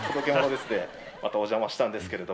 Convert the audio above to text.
でまたお邪魔したんですけど。